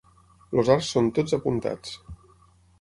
Els arcs són tots apuntats.